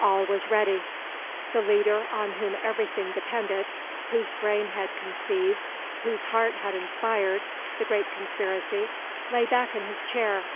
All was ready. The leader on whom everything depended, whose brain had conceived, whose heart had inspired, the great conspiracy, lay back in his chair.